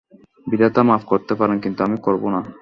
বিধাতা মাপ করতে পারেন, কিন্তু আমি করব না।